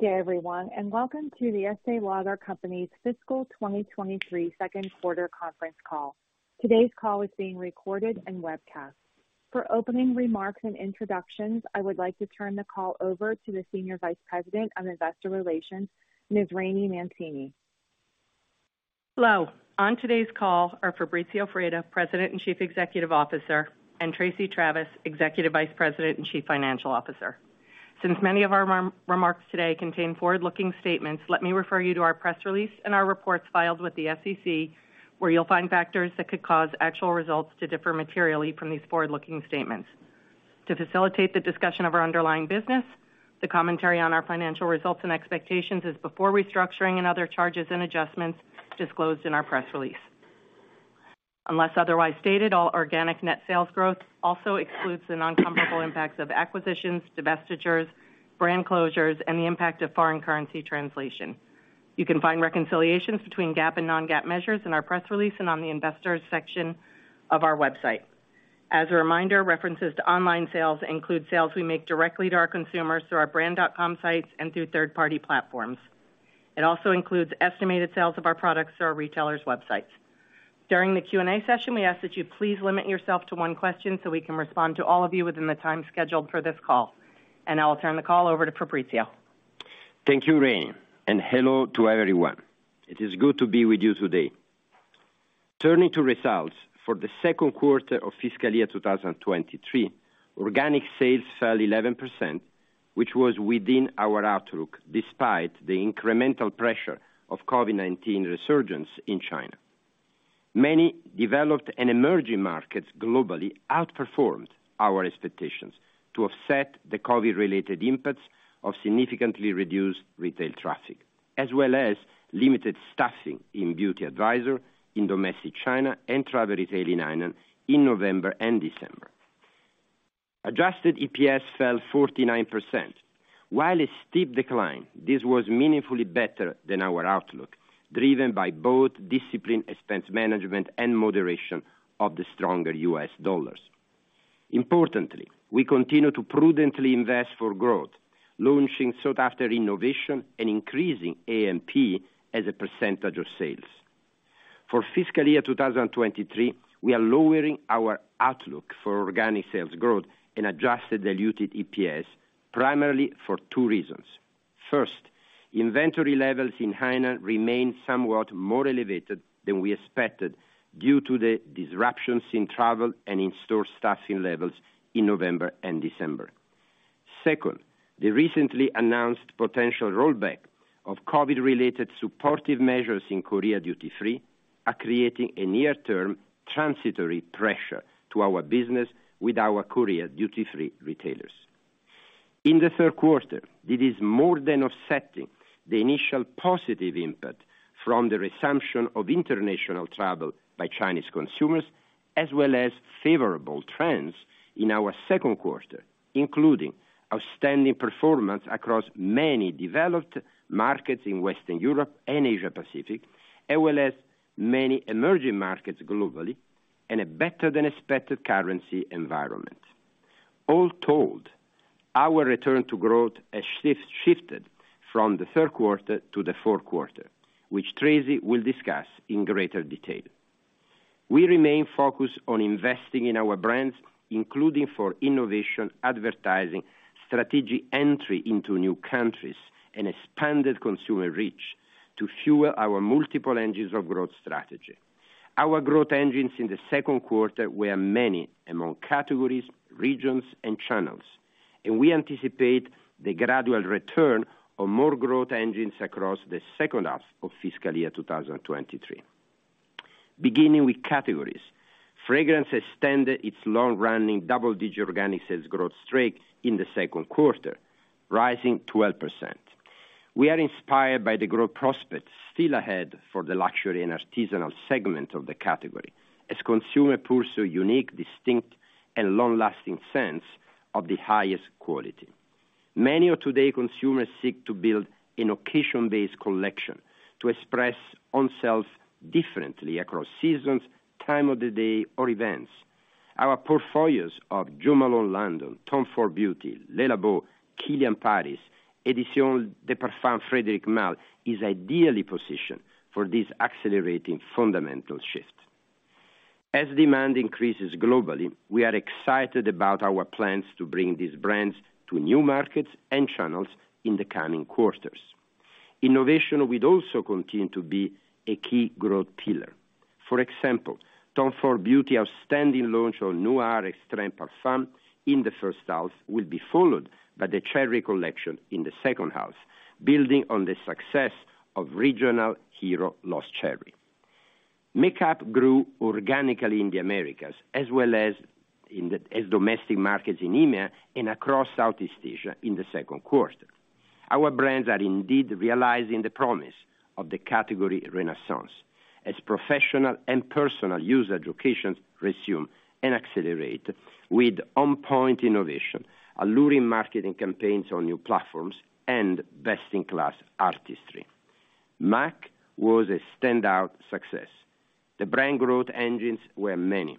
Good day, everyone, and welcome to The Estée Lauder Companies' Fiscal 2023 Q2 conference call. Today's call is being recorded and webcast. For opening remarks and introductions, I would like to turn the call over to the Senior Vice President on Investor Relations, Ms. Rainey Mancini. Hello. On today's call are Fabrizio Freda, President and Chief Executive Officer, and Tracey Travis, Executive Vice President and Chief Financial Officer. Since many of our remarks today contain forward-looking statements, let me refer you to our press release and our reports filed with the SEC, where you'll find factors that could cause actual results to differ materially from these forward-looking statements. To facilitate the discussion of our underlying business, the commentary on our financial results and expectations is before restructuring and other charges and adjustments disclosed in our press release. Unless otherwise stated, all organic net sales growth also excludes the non-comparable impacts of acquisitions, divestitures, brand closures, and the impact of foreign currency translation. You can find reconciliations between GAAP and non-GAAP measures in our press release and on the investors section of our website. As a reminder, references to online sales include sales we make directly to our consumers through our brand.com sites and through third-party platforms. It also includes estimated sales of our products through our retailers' websites. During the Q&A session, we ask that you please limit yourself to one question, so we can respond to all of you within the time scheduled for this call. I will turn the call over to Fabrizio. Thank you, Rainey. Hello to everyone. It is good to be with you today. Turning to results for the Q2 of fiscal year 2023, organic sales fell 11%, which was within our outlook despite the incremental pressure of COVID-19 resurgence in China. Many developed and emerging markets globally outperformed our expectations to offset the COVID-related impacts of significantly reduced retail traffic, as well as limited staffing in beauty advisor in domestic China and travel retail in Hainan in November and December. Adjusted EPS fell 49%. While a steep decline, this was meaningfully better than our outlook, driven by both disciplined expense management and moderation of the stronger U.S. dollars. Importantly, we continue to prudently invest for growth, launching sought-after innovation and increasing A&P as a percentage of sales. For fiscal year 2023, we are lowering our outlook for organic sales growth and adjusted diluted EPS primarily for two reasons. First, inventory levels in Hainan remain somewhat more elevated than we expected due to the disruptions in travel and in store staffing levels in November and December. Second, the recently announced potential rollback of COVID-related supportive measures in Korea duty-free are creating a near-term transitory pressure to our business with our Korea duty-free retailers. In the Q3, it is more than offsetting the initial positive impact from the resumption of international travel by Chinese consumers, as well as favorable trends in our Q2, including outstanding performance across many developed markets in Western Europe and Asia Pacific, as well as many emerging markets globally in a better than expected currency environment. All told, our return to growth has shifted from the Q2 to the Q4, which Tracey will discuss in greater detail. We remain focused on investing in our brands, including for innovation, advertising, strategic entry into new countries and expanded consumer reach to fuel our multiple engines of growth strategy. Our growth engines in the Q2 were many among categories, regions, and channels, and we anticipate the gradual return of more growth engines across the H2 of fiscal year 2023. Beginning with categories, fragrance extended its long-running double-digit organic sales growth streak in the Q2, rising 12%. We are inspired by the growth prospects still ahead for the luxury and artisanal segment of the category as consumer pursue unique, distinct, and long-lasting scents of the highest quality. Many of today consumers seek to build an occasion-based collection to express themselves differently across seasons, time of the day or events. Our portfolios of Jo Malone London, Tom Ford Beauty, Le Labo, Kilian Paris, Editions de Parfums Frédéric Malle is ideally positioned for this accelerating fundamental shift. As demand increases globally, we are excited about our plans to bring these brands to new markets and channels in the coming quarters. Innovation will also continue to be a key growth pillar. For example, Tom Ford Beauty outstanding launch of Noir Extreme Parfum in the H1 will be followed by the Cherry Collection in the H2, building on the success of regional hero, Lost Cherry. Makeup grew organically in the Americas as well as domestic markets in EMEA and across Southeast Asia in the Q2. Our brands are indeed realizing the promise of the category renaissance as professional and personal use occasions resume and accelerate with on-point innovation, alluring marketing campaigns on new platforms and best-in-class artistry. M·A·C was a standout success. The brand growth engines were many.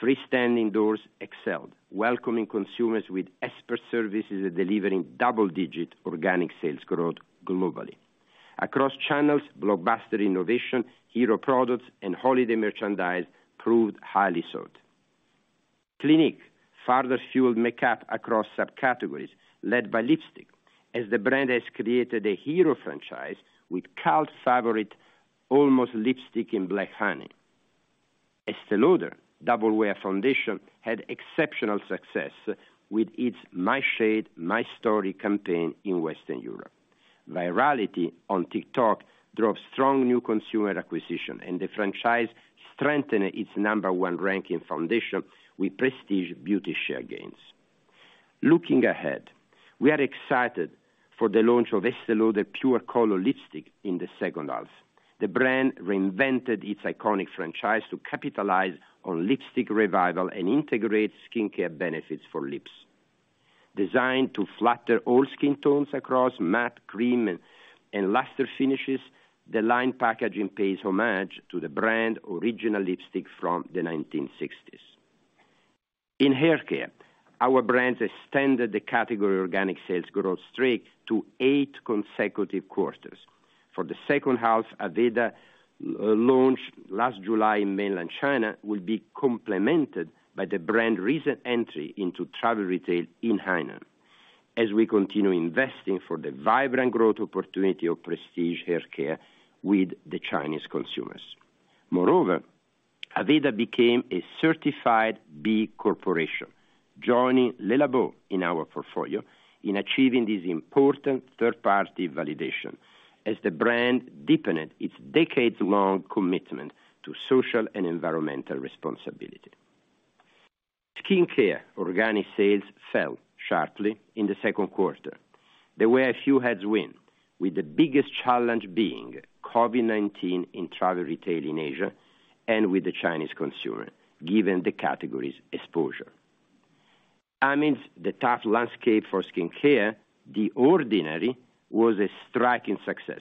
Freestanding doors excelled, welcoming consumers with expert services and delivering double-digit organic sales growth globally. Across channels, blockbuster innovation, hero products and holiday merchandise proved highly sought. Clinique further fueled makeup across subcategories led by lipstick as the brand has created a hero franchise with cult favorite Almost Lipstick in Black Honey. Estée Lauder Double Wear Foundation had exceptional success with its My Shade, My Story campaign in Western Europe. Virality on TikTok drove strong new consumer acquisition and the franchise strengthened its number-one ranking foundation with prestige beauty share gains. Looking ahead, we are excited for the launch of Estée Lauder Pure Color Lipstick in the H2. The brand reinvented its iconic franchise to capitalize on lipstick revival and integrate skincare benefits for lips. Designed to flatter all skin tones across matte, cream and luster finishes, the line packaging pays homage to the brand original lipstick from the 1960s. In haircare, our brands extended the category organic sales growth streak to eight consecutive quarters. For the H2, Aveda launched last July in Mainland China will be complemented by the brand recent entry into travel retail in Hainan as we continue investing for the vibrant growth opportunity of prestige haircare with the Chinese consumers. Aveda became a certified B Corporation, joining Le Labo in our portfolio in achieving this important third-party validation as the brand deepened its decades-long commitment to social and environmental responsibility. Skincare organic sales fell sharply in the Q2. There were a few heads win, with the biggest challenge being COVID-19 in travel retail in Asia and with the Chinese consumer, given the category's exposure. Amidst the tough landscape for skincare, The Ordinary was a striking success.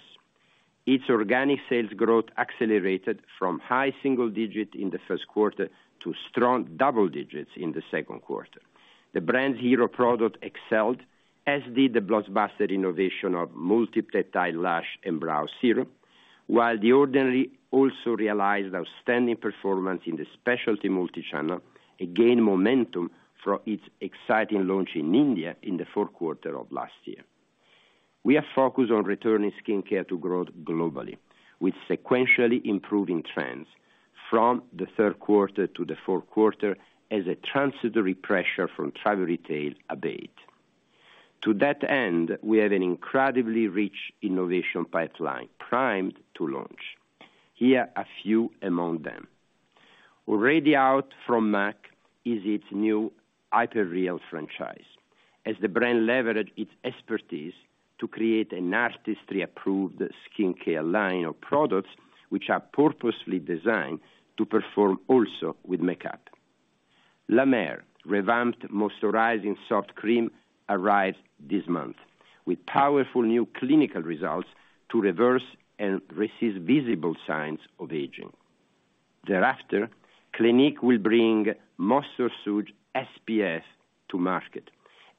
Its organic sales growth accelerated from high single-digit in the first quarter to strong double digits in the Q2. The brand's hero product excelled, as did the blockbuster innovation of Multi-Peptide Lash and Brow Serum, while The Ordinary also realized outstanding performance in the specialty multi-channel, it gained momentum from its exciting launch in India in the Q4 of last year. We are focused on returning skincare to growth globally, with sequentially improving trends from the third quarter to the Q4 as a transitory pressure from travel retail abate. To that end, we have an incredibly rich innovation pipeline primed to launch. Here are a few among them. Already out from M·A·C is its new Hyper Real franchise, as the brand leveraged its expertise to create an artistry approved skincare line of products which are purposefully designed to perform also with makeup. La Mer revamped Moisturizing Soft Cream arrived this month, with powerful new clinical results to reverse and resist visible signs of aging. Thereafter, Clinique will bring Moisture Surge SPF to market,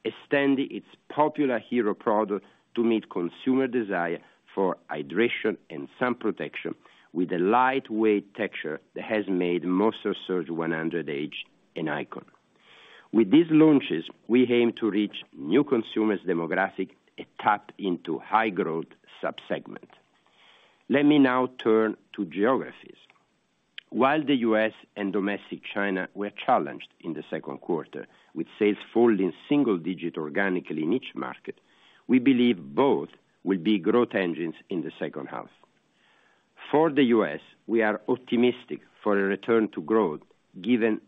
extending its popular hero product to meet consumer desire for hydration and sun protection with a lightweight texture that has made Moisture Surge 100H an icon. With these launches, we aim to reach new consumers demographic and tap into high growth sub-segment. Let me now turn to geographies. While the U.S. and domestic China were challenged in the Q2, with sales falling single-digit organically in each market, we believe both will be growth engines in the H2. For the U.S., we are optimistic for a return to growth given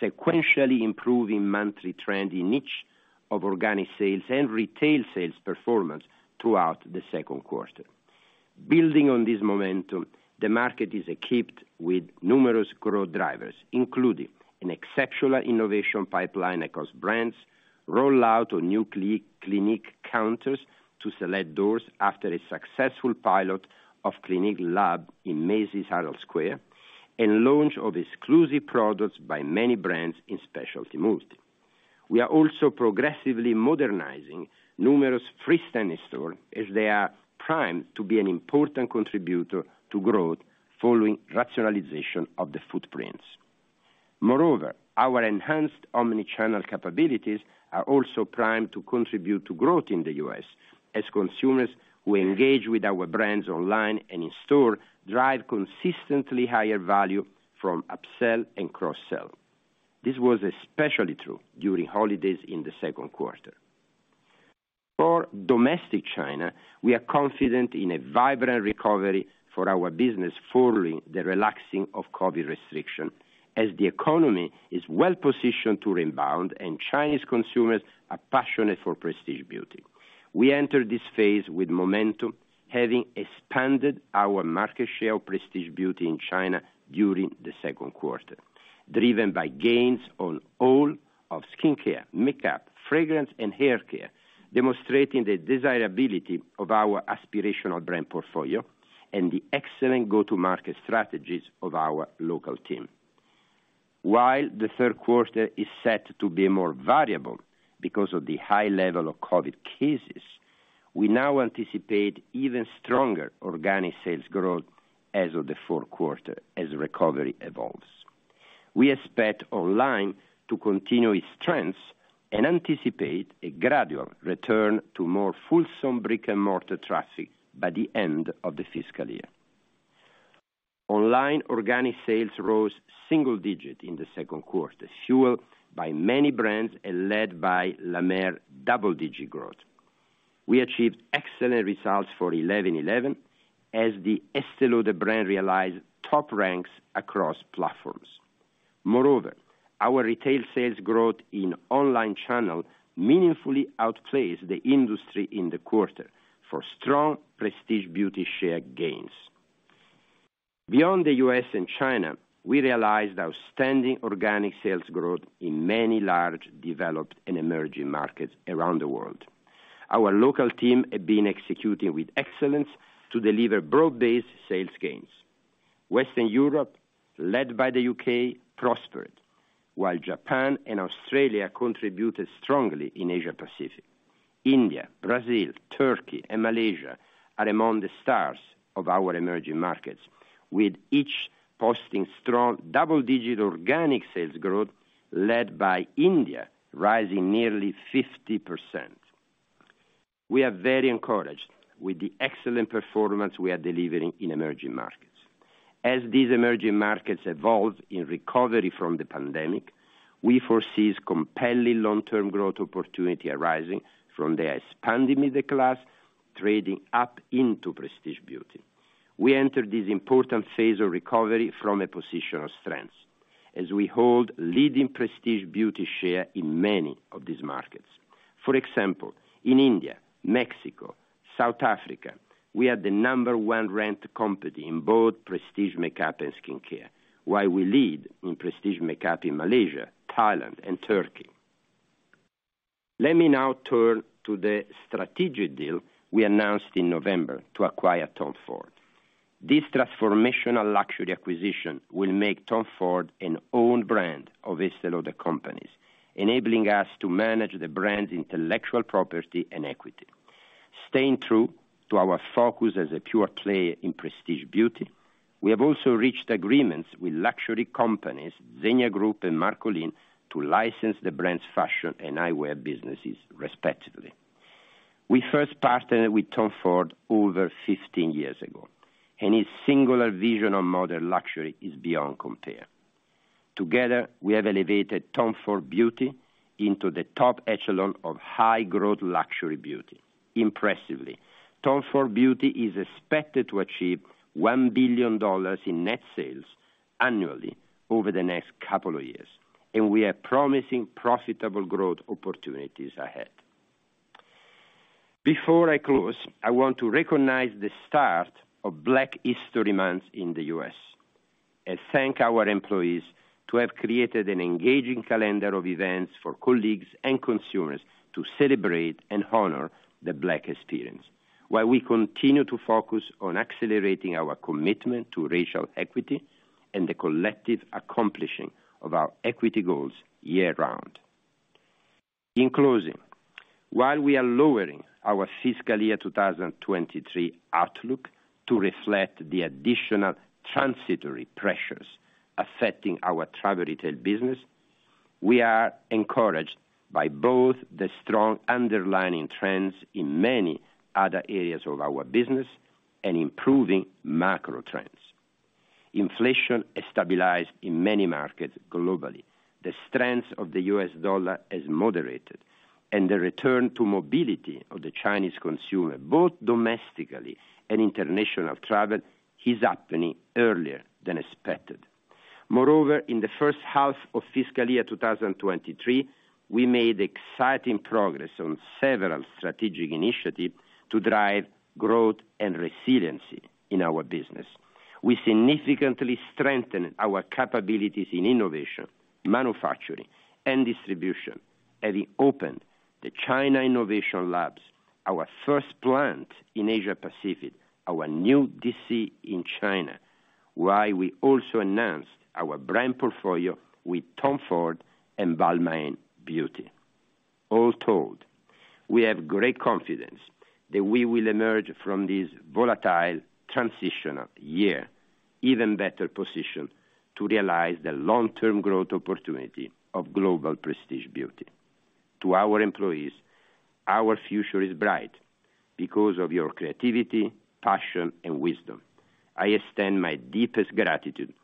sequentially improving monthly trend in each of organic sales and retail sales performance throughout the Q2. Building on this momentum, the market is equipped with numerous growth drivers, including an exceptional innovation pipeline across brands, rollout of new Clinique counters to select doors after a successful pilot of Clinique Lab in Macy's Herald Square, and launch of exclusive products by many brands in specialty multi. We are also progressively modernizing numerous freestanding stores as they are primed to be an important contributor to growth following rationalization of the footprints. Moreover, our enhanced omni-channel capabilities are also primed to contribute to growth in the U.S. as consumers who engage with our brands online and in store drive consistently higher value from upsell and cross-sell. This was especially true during holidays in the Q2. For domestic China, we are confident in a vibrant recovery for our business following the relaxing of COVID-19 restriction as the economy is well positioned to rebound and Chinese consumers are passionate for prestige beauty. We enter this phase with momentum, having expanded our market share of prestige beauty in China during the Q2, driven by gains on all of skincare, makeup, fragrance and haircare, demonstrating the desirability of our aspirational brand portfolio And the excellent go-to market strategies of our local team. While the third quarter is set to be more variable because of the high level of Covid cases, we now anticipate even stronger organic sales growth as of the Q4 as recovery evolves. We expect online to continue its trends and anticipate a gradual return to more fulsome brick-and-mortar traffic by the end of the fiscal year. Online organic sales rose single digit in the Q2, fueled by many brands and led by La Mer double-digit growth. We achieved excellent results for 11 11 as the Estée Lauder brand realized top ranks across platforms. Our retail sales growth in online channel meaningfully outpaced the industry in the quarter for strong prestige beauty share gains. Beyond the U.S. and China, we realized outstanding organic sales growth in many large, developed and emerging markets around the world. Our local team have been executing with excellence to deliver broad-based sales gains. Western Europe, led by the U.K., prospered, while Japan and Australia contributed strongly in Asia Pacific. India, Brazil, Turkey and Malaysia are among the stars of our emerging markets, with each posting strong double-digit organic sales growth, led by India rising nearly 50%. We are very encouraged with the excellent performance we are delivering in emerging markets. As these emerging markets evolve in recovery from the pandemic, we foresee compelling long-term growth opportunity arising from the expanding middle class trading up into prestige beauty. We enter this important phase of recovery from a position of strength as we hold leading prestige beauty share in many of these markets. For example, in India, Mexico, South Africa, we are the number one ranked company in both prestige makeup and skincare, while we lead in prestige makeup in Malaysia, Thailand and Turkey. Let me now turn to the strategic deal we announced in November to acquire Tom Ford. This transformational luxury acquisition will make Tom Ford an owned brand of The Estée Lauder Companies, enabling us to manage the brand's intellectual property and equity. Staying true to our focus as a pure player in prestige beauty, we have also reached agreements with luxury companies Zegna Group and Marcolin to license the brand's fashion and eyewear businesses respectively. We first partnered with Tom Ford over 15 years ago, and his singular vision of modern luxury is beyond compare. Together, we have elevated Tom Ford Beauty into the top echelon of high growth luxury beauty. Impressively, Tom Ford Beauty is expected to achieve $1 billion in net sales annually over the next couple of years, and we are promising profitable growth opportunities ahead. Before I close, I want to recognize the start of Black History Month in the U.S., and thank our employees to have created an engaging calendar of events for colleagues and consumers to celebrate and honor the Black experience while we continue to focus on accelerating our commitment to racial equity and the collective accomplishing of our equity goals year-round. In closing, while we are lowering our fiscal year 2023 outlook to reflect the additional transitory pressures affecting our travel retail business, we are encouraged by both the strong underlying trends in many other areas of our business and improving macro trends. Inflation has stabilized in many markets globally. The strength of the US dollar has moderated, and the return to mobility of the Chinese consumer, both domestically and international travel, is happening earlier than expected. Moreover, in the H1 of fiscal year 2023, we made exciting progress on several strategic initiatives to drive growth and resiliency in our business. We significantly strengthened our capabilities in innovation, manufacturing and distribution, having opened the China Innovation Labs, our first plant in Asia Pacific, our new DC in China. While we also announced our brand portfolio with Tom Ford and Balmain Beauty. All told, we have great confidence that we will emerge from this volatile transitional year even better positioned to realize the long-term growth opportunity of global prestige beauty. To our employees, our future is bright because of your creativity, passion and wisdom. I extend my deepest gratitude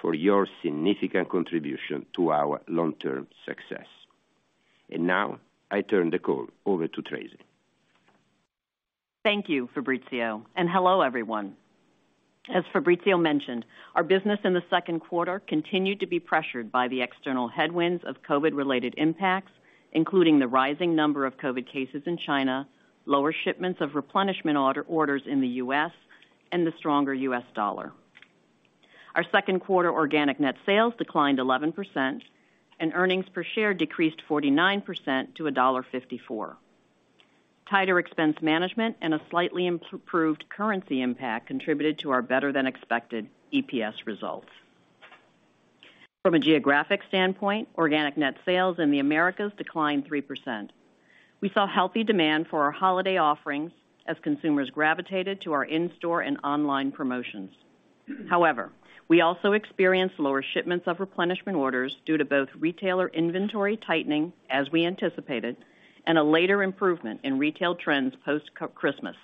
for your significant contribution to our long-term success. Now I turn the call over to Tracey. Thank you, Fabrizio. Hello, everyone. As Fabrizio mentioned, our business in the Q2 continued to be pressured by the external headwinds of COVID-19-related impacts, including the rising number of COVID-19 cases in China, lower shipments of replenishment orders in the U.S., and the stronger U.S. dollar. Our Q2 organic net sales declined 11% and earnings per share decreased 49% to $1.54. Tighter expense management and a slightly improved currency impact contributed to our better than expected EPS results. From a geographic standpoint, organic net sales in the Americas declined 3%. We saw healthy demand for our holiday offerings as consumers gravitated to our in-store and online promotions. However, we also experienced lower shipments of replenishment orders due to both retailer inventory tightening, as we anticipated, and a later improvement in retail trends post Christmas.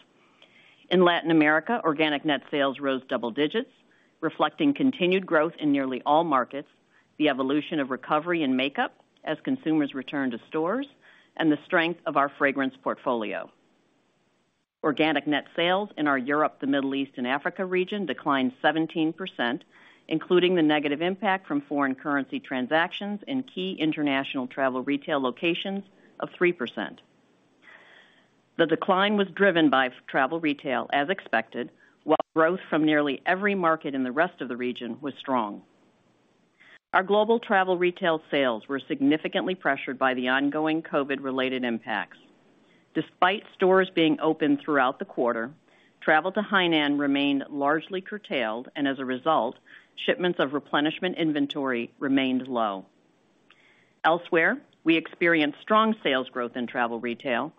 In Latin America, organic net sales rose double digits, reflecting continued growth in nearly all markets, the evolution of recovery in makeup as consumers return to stores, and the strength of our fragrance portfolio. Organic net sales in our Europe, the Middle East, and Africa region declined 17%, including the negative impact from foreign currency transactions in key international travel retail locations of 3%. The decline was driven by travel retail as expected, while growth from nearly every market in the rest of the region was strong. Our global travel retail sales were significantly pressured by the ongoing COVID-related impacts. Despite stores being open throughout the quarter, travel to Hainan remained largely curtailed, and as a result, shipments of replenishment inventory remained low. Elsewhere, we experienced strong sales growth in travel retail,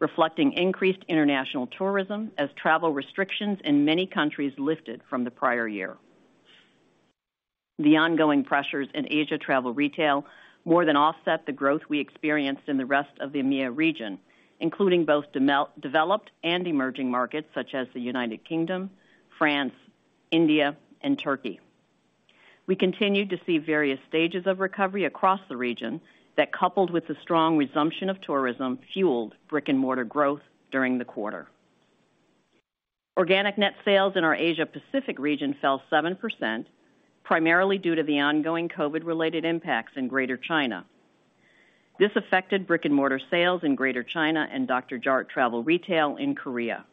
reflecting increased international tourism as travel restrictions in many countries lifted from the prior year. The ongoing pressures in Asia travel retail more than offset the growth we experienced in the rest of the EMEA region, including both developed and emerging markets such as the United Kingdom, France, India, and Turkey. We continued to see various stages of recovery across the region that, coupled with the strong resumption of tourism, fueled brick-and-mortar growth during the quarter. Organic net sales in our Asia Pacific region fell 7%, primarily due to the ongoing COVID-related impacts in Greater China. This affected brick-and-mortar sales in Greater China and Dr. Jart travel retail in Korea.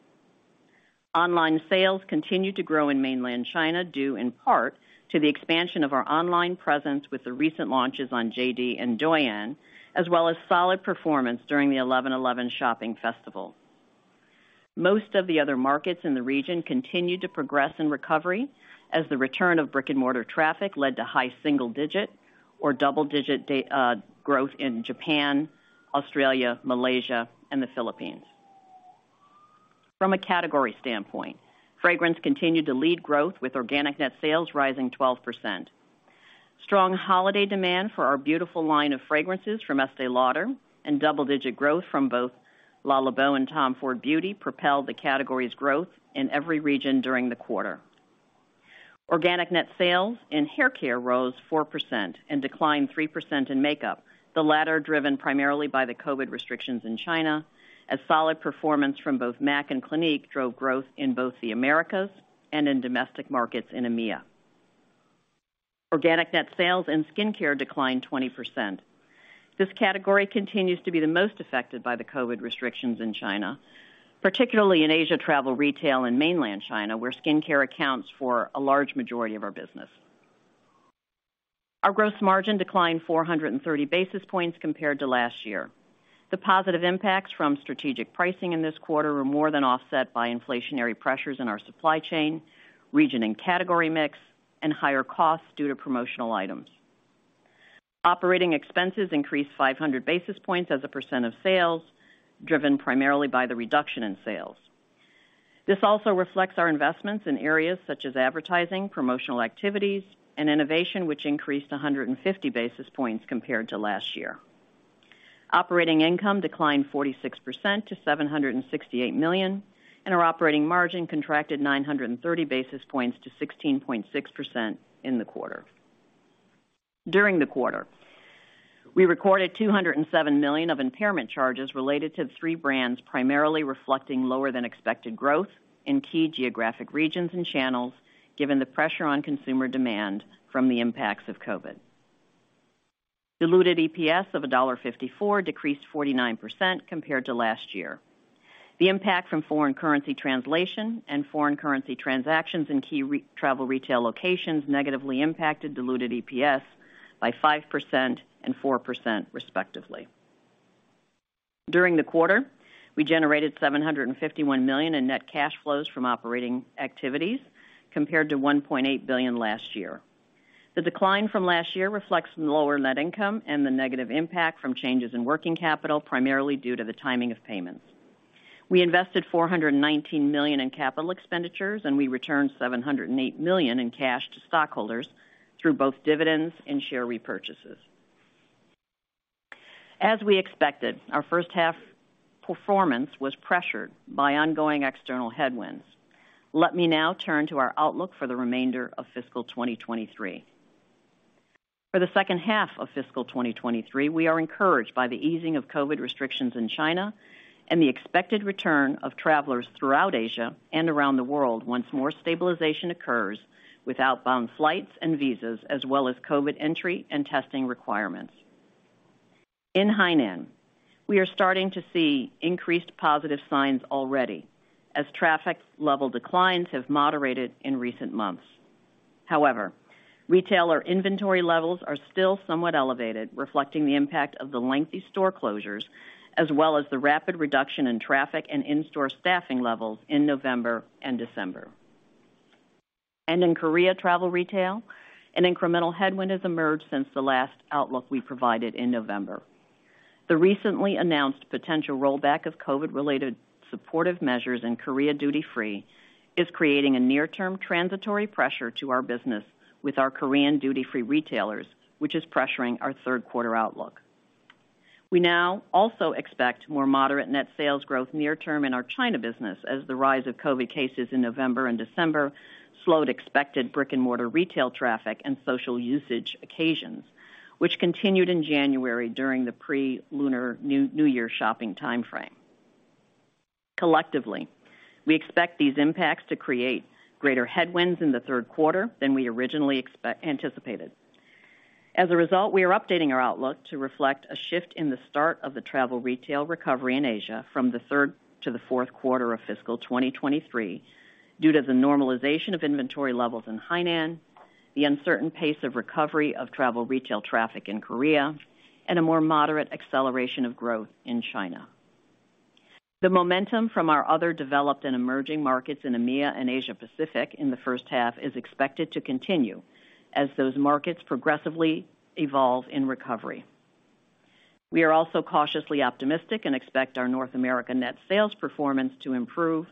Online sales continued to grow in Mainland China, due in part to the expansion of our online presence with the recent launches on JD and Douyin, as well as solid performance during the 11.11 Global Shopping Festival. Most of the other markets in the region continued to progress in recovery as the return of brick-and-mortar traffic led to high single digit or double-digit growth in Japan, Australia, Malaysia, and the Philippines. From a category standpoint, fragrance continued to lead growth with organic net sales rising 12%. Strong holiday demand for our beautiful line of fragrances from Estée Lauder and double-digit growth from both Le Labo and Tom Ford Beauty propelled the category's growth in every region during the quarter. Organic net sales in hair care rose 4% and declined 3% in makeup, the latter driven primarily by the COVID restrictions in China, as solid performance from both MAC and Clinique drove growth in both the Americas and in domestic markets in EMEA. Organic net sales and skincare declined 20%. This category continues to be the most affected by the COVID-19 restrictions in China, particularly in Asia travel retail and Mainland China, where skincare accounts for a large majority of our business. Our gross margin declined 430 basis points compared to last year. The positive impacts from strategic pricing in this quarter were more than offset by inflationary pressures in our supply chain, region and category mix, and higher costs due to promotional items. Operating expenses increased 500 basis points as a percentage of sales, driven primarily by the reduction in sales. This also reflects our investments in areas such as advertising, promotional activities and innovation, which increased 150 basis points compared to last year. Operating income declined 46% to $768 million. Our operating margin contracted 930 basis points to 16.6% in the quarter. During the quarter, we recorded $207 million of impairment charges related to three brands, primarily reflecting lower than expected growth in key geographic regions and channels given the pressure on consumer demand from the impacts of COVID. Diluted EPS of $1.54 decreased 49% compared to last year. The impact from foreign currency translation and foreign currency transactions in key travel retail locations negatively impacted diluted EPS by 5% and 4%, respectively. During the quarter, we generated $751 million in net cash flows from operating activities, compared to $1.8 billion last year. The decline from last year reflects the lower net income and the negative impact from changes in working capital, primarily due to the timing of payments. We invested $419 million in capital expenditures, and we returned $708 million in cash to stockholders through both dividends and share repurchases. As we expected, our H1 performance was pressured by ongoing external headwinds. Let me now turn to our outlook for the remainder of fiscal 2023. For the H2 of fiscal 2023, we are encouraged by the easing of COVID restrictions in China and the expected return of travelers throughout Asia and around the world once more stabilization occurs with outbound flights and visas, as well as COVID entry and testing requirements. In Hainan, we are starting to see increased positive signs already as traffic level declines have moderated in recent months. However, retailer inventory levels are still somewhat elevated, reflecting the impact of the lengthy store closures, as well as the rapid reduction in traffic and in-store staffing levels in November and December. In Korea travel retail, an incremental headwind has emerged since the last outlook we provided in November. The recently announced potential rollback of COVID-related supportive measures in Korea duty-free is creating a near-term transitory pressure to our business with our Korean duty-free retailers, which is pressuring our third quarter outlook. We now also expect more moderate net sales growth near-term in our China business, as the rise of COVID cases in November and December slowed expected brick-and-mortar retail traffic and social usage occasions, which continued in January during the pre-lunar New Year shopping timeframe. Collectively, we expect these impacts to create greater headwinds in the third quarter than we originally anticipated. As a result, we are updating our outlook to reflect a shift in the start of the travel retail recovery in Asia from the third to the Q4 of fiscal 2023 due to the normalization of inventory levels in Hainan, the uncertain pace of recovery of travel retail traffic in Korea, and a more moderate acceleration of growth in China. The momentum from our other developed and emerging markets in EMEA and Asia Pacific in the H1 is expected to continue as those markets progressively evolve in recovery. We are also cautiously optimistic and expect our North America net sales performance to improve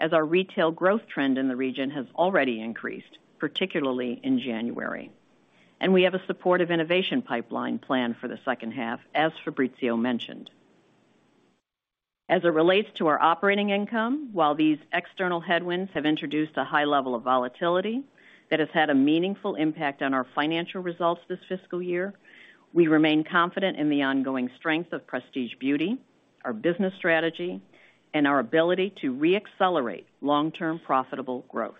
as our retail growth trend in the region has already increased, particularly in January. We have a supportive innovation pipeline plan for the H2, as Fabrizio mentioned. As it relates to our operating income, while these external headwinds have introduced a high level of volatility that has had a meaningful impact on our financial results this fiscal year, we remain confident in the ongoing strength of Prestige Beauty, our business strategy, and our ability to re-accelerate long-term profitable growth.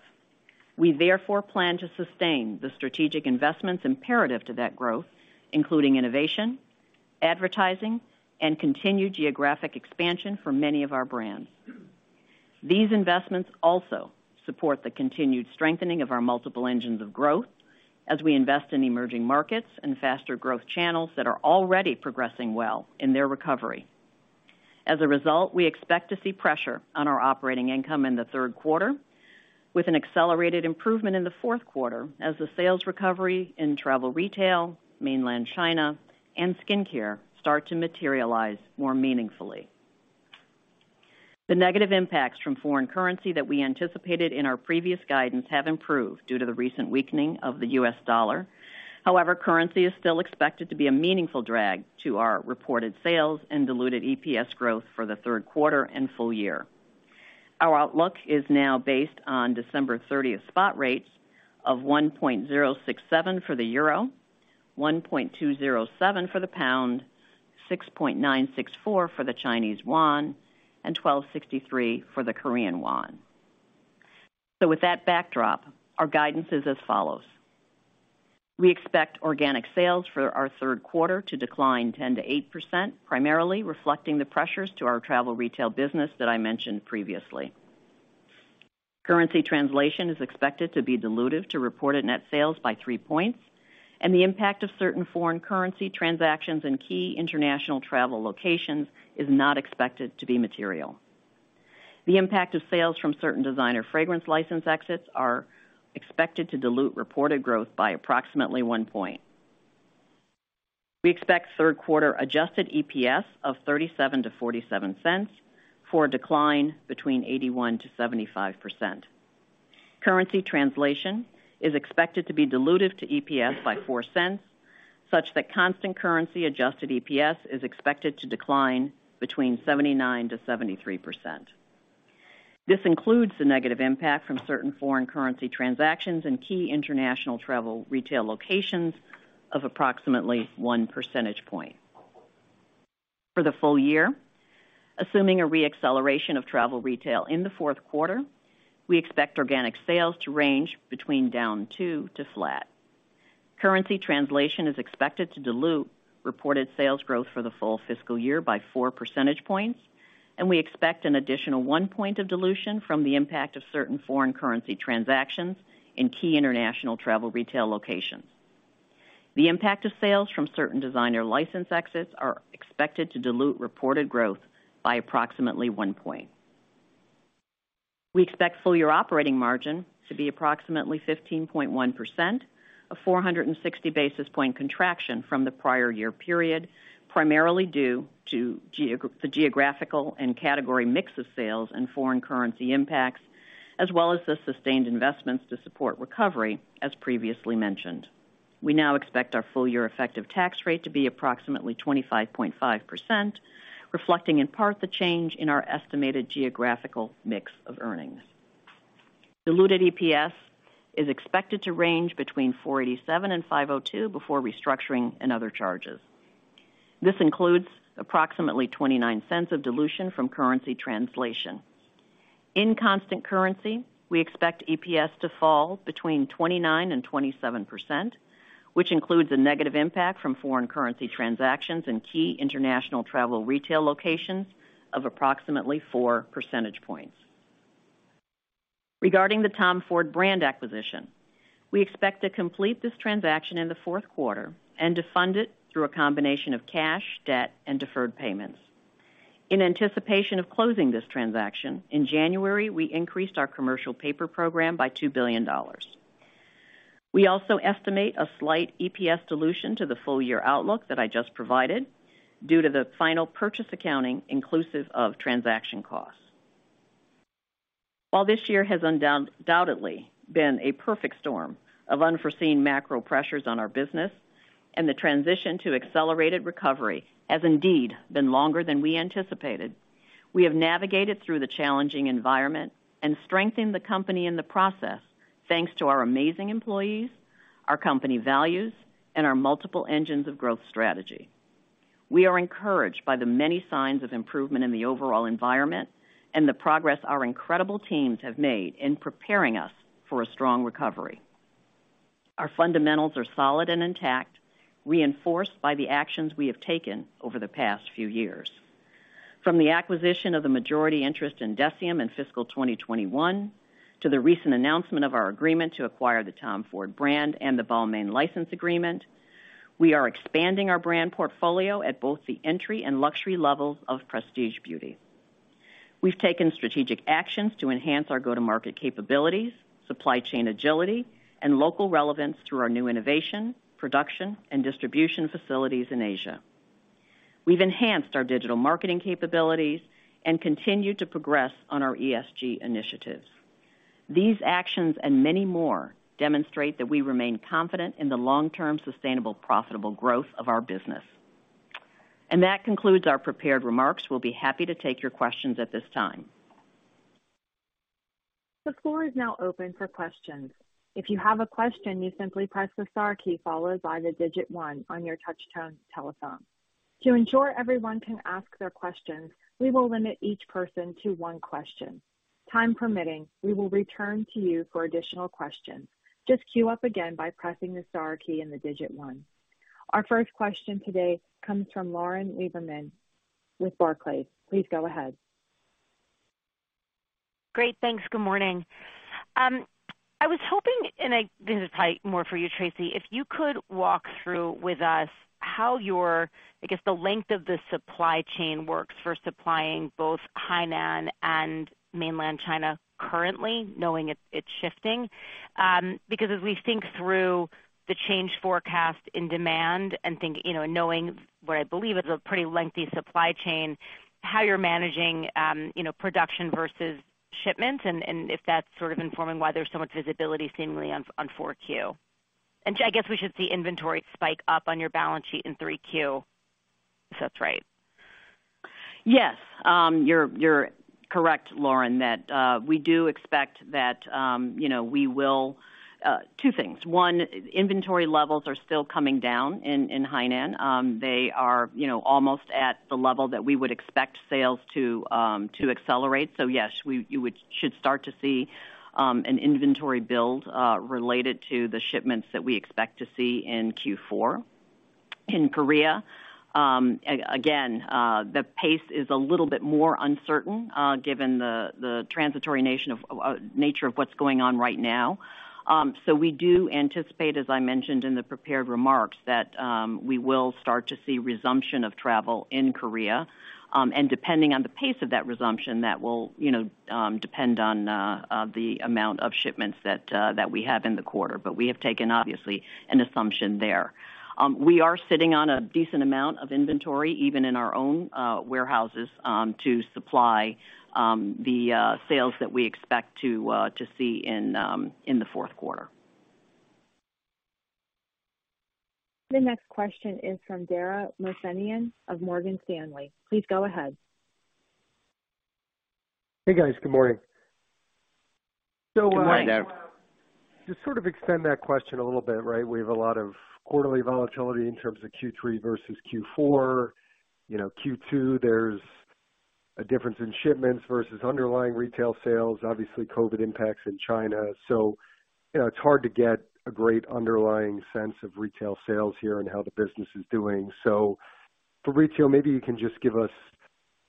We therefore plan to sustain the strategic investments imperative to that growth, including innovation, advertising, and continued geographic expansion for many of our brands. These investments also support the continued strengthening of our multiple engines of growth as we invest in emerging markets and faster growth channels that are already progressing well in their recovery. As a result, we expect to see pressure on our operating income in the third quarter, with an accelerated improvement in the Q4 as the sales recovery in travel retail, Mainland China, and skincare start to materialize more meaningfully. The negative impacts from foreign currency that we anticipated in our previous guidance have improved due to the recent weakening of the US dollar. Currency is still expected to be a meaningful drag to our reported sales and diluted EPS growth for the third quarter and full year. Our outlook is now based on December 30th spot rates of 1.067 for the EUR, 1.207 for the GBP, 6.964 for the CNY, and 1,263 for the KRW. With that backdrop, our guidance is as follows. We expect organic sales for our third quarter to decline 10%-8%, primarily reflecting the pressures to our travel retail business that I mentioned previously. Currency translation is expected to be dilutive to reported net sales by 3 points. The impact of certain foreign currency transactions in key international travel locations is not expected to be material. The impact of sales from certain designer fragrance license exits are expected to dilute reported growth by approximately one point. We expect third quarter adjusted EPS of $0.37-$0.47 for a decline between 81%-75%. Currency translation is expected to be dilutive to EPS by $0.04, such that constant currency adjusted EPS is expected to decline between 79%-73%. This includes the negative impact from certain foreign currency transactions in key international travel retail locations of approximately 1 percentage point. For the full year, assuming a re-acceleration of travel retail in the Q4, we expect organic sales to range between down 2% to flat. Currency translation is expected to dilute reported sales growth for the full fiscal year by 4 percentage points, and we expect an additional 1 point of dilution from the impact of certain foreign currency transactions in key international travel retail locations. The impact of sales from certain designer license exits are expected to dilute reported growth by approximately 1 point. We expect full year operating margin to be approximately 15.1%, a 460 basis point contraction from the prior year period, primarily due to the geographical and category mix of sales and foreign currency impacts, as well as the sustained investments to support recovery, as previously mentioned. We now expect our full year effective tax rate to be approximately 25.5%, reflecting in part the change in our estimated geographical mix of earnings. Diluted EPS is expected to range between $4.87 and $5.02 before restructuring and other charges. This includes approximately $0.29 of dilution from currency translation. In constant currency, we expect EPS to fall between 29% and 27%, which includes a negative impact from foreign currency transactions in key international travel retail locations of approximately 4 percentage points. Regarding the Tom Ford brand acquisition, we expect to complete this transaction in the Q4 and to fund it through a combination of cash, debt, and deferred payments. In anticipation of closing this transaction, in January, we increased our commercial paper program by $2 billion. We also estimate a slight EPS dilution to the full-year outlook that I just provided due to the final purchase accounting inclusive of transaction costs. While this year has undoubtedly been a perfect storm of unforeseen macro pressures on our business and the transition to accelerated recovery has indeed been longer than we anticipated, we have navigated through the challenging environment and strengthened the company in the process, thanks to our amazing employees, our company values, and our multiple engines of growth strategy. We are encouraged by the many signs of improvement in the overall environment and the progress our incredible teams have made in preparing us for a strong recovery. Our fundamentals are solid and intact, reinforced by the actions we have taken over the past few years. From the acquisition of the majority interest in DECIEM in fiscal 2021 to the recent announcement of our agreement to acquire the Tom Ford brand and the Balmain license agreement, we are expanding our brand portfolio at both the entry and luxury levels of prestige beauty. We've taken strategic actions to enhance our go-to-market capabilities, supply chain agility, and local relevance through our new innovation, production, and distribution facilities in Asia. We've enhanced our digital marketing capabilities and continued to progress on our ESG initiatives. These actions and many more demonstrate that we remain confident in the long-term, sustainable, profitable growth of our business. That concludes our prepared remarks. We'll be happy to take your questions at this time. The floor is now open for questions. If you have a question, you simply press the star key followed by the digit 1 on your touchtone telephone. To ensure everyone can ask their questions, we will limit each person to one question. Time permitting, we will return to you for additional questions. Just queue up again by pressing the star key and the digit 1. Our first question today comes from Lauren Lieberman with Barclays. Please go ahead. Great, thanks. Good morning. I was hoping, and this is probably more for you, Tracey, if you could walk through with us how your, I guess, the length of the supply chain works for supplying both Hainan and Mainland China currently, knowing it's shifting. Because as we think through the change forecast in demand and think, you know, knowing what I believe is a pretty lengthy supply chain, how you're managing, you know, production versus shipments, and if that's sort of informing why there's so much visibility seemingly on 4Q. I guess we should see inventory spike up on your balance sheet in 3Q, if that's right. Yes. You're correct, Lauren, that we do expect that, you know, two things. One, inventory levels are still coming down in Hainan. They are, you know, almost at the level that we would expect sales to accelerate. Yes, should start to see an inventory build related to the shipments that we expect to see in Q4. In Korea, again, the pace is a little bit more uncertain, given the transitory nature of what's going on right now. We do anticipate, as I mentioned in the prepared remarks, that we will start to see resumption of travel in Korea, and depending on the pace of that resumption, that will, you know, depend on the amount of shipments that we have in the quarter. We have taken obviously an assumption there. We are sitting on a decent amount of inventory, even in our own warehouses, to supply the sales that we expect to see in the Q4. The next question is from Dara Mohsenian of Morgan Stanley. Please go ahead. Hey, guys. Good morning. Good morning, Dara. to sort of extend that question a little bit, right? We have a lot of quarterly volatility in terms of Q3 versus Q4. You know, Q2, there's a difference in shipments versus underlying retail sales, obviously COVID impacts in China. You know, it's hard to get a great underlying sense of retail sales here and how the business is doing. For retail, maybe you can just give us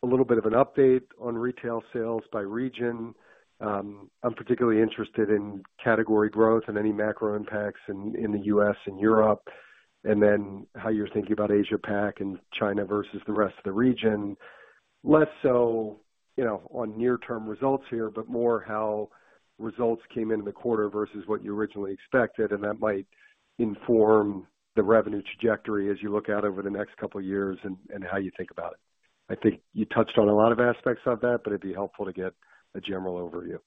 a little bit of an update on retail sales by region. I'm particularly interested in category growth and any macro impacts in the U.S. and Europe, and then how you're thinking about Asia PAC and China versus the rest of the region. Less so, you know, on near-term results here, but more how results came into the quarter versus what you originally expected, and that might inform the revenue trajectory as you look out over the next couple of years and how you think about it. I think you touched on a lot of aspects of that, but it'd be helpful to get a general overview.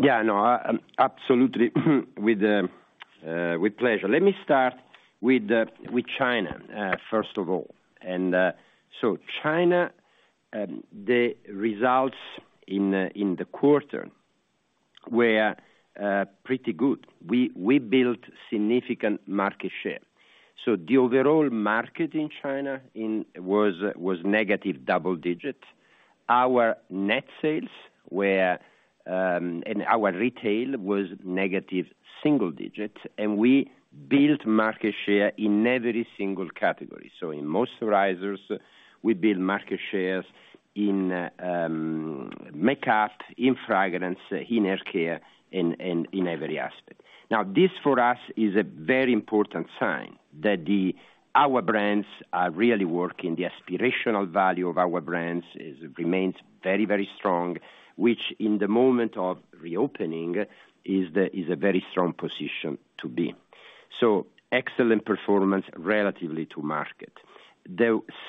Yeah, no, absolutely, with pleasure. Let me start with China, first of all. China, the results in the quarter Were pretty good. We built significant market share. The overall market in China was negative double digit. Our net sales were, and our retail was negative single digit. We built market share in every single category. In moisturizers, we build market shares in makeup, in fragrance, in hair care, in every aspect. This for us is a very important sign that our brands are really working, the aspirational value of our brands remains very, very strong, which in the moment of reopening is a very strong position to be. Excellent performance relatively to market.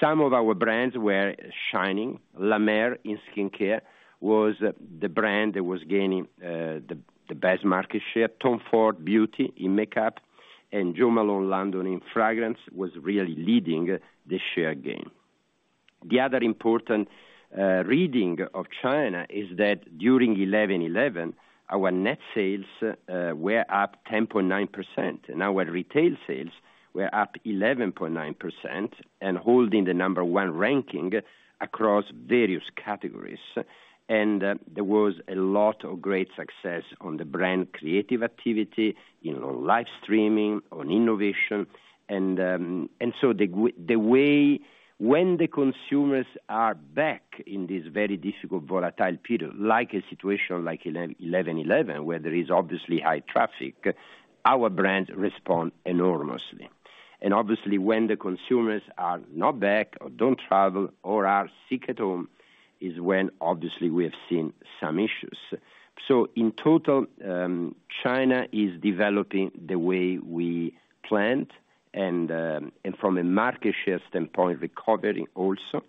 Some of our brands were shining. La Mer in skincare was the brand that was gaining the best market share, Tom Ford Beauty in makeup, and Jo Malone London in fragrance was really leading the share gain. The other important reading of China is that during 11.11, our net sales were up 10.9%, and our retail sales were up 11.9% and holding the number one ranking across various categories. There was a lot of great success on the brand creative activity, you know, live streaming, on innovation. When the consumers are back in this very difficult volatile period, like a situation like 11.11, where there is obviously high traffic, our brands respond enormously. Obviously when the consumers are not back or don't travel or are sick at home, is when obviously we have seen some issues. In total, China is developing the way we planned and from a market share standpoint, recovering also,